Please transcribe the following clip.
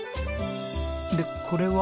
でこれは？